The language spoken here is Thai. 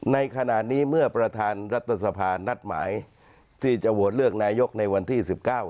ในขณะนี้เมื่อประธานรัฐสภานัดหมายที่จะโหวตเลือกนายกในวันที่๑๙